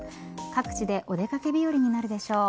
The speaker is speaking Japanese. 各地でお出掛け日和になるでしょう。